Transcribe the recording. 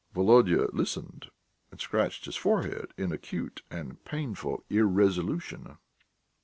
Volodya listened and scratched his forehead in acute and painful irresolution.